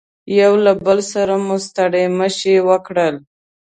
یو له بل سره مو ستړي مشي وکړل.